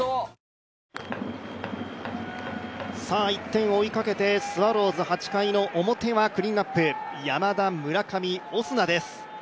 １点を追いかけてスワローズ８回の表はクリーンアップ、山田、村上、オスナです。